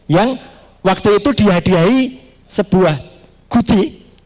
yang waktu itu dihadiahi sebuah gude